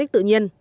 khu thương mại